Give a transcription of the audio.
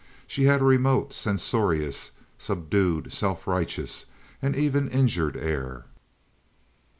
She had a remote, censorious, subdued, self righteous, and even injured air.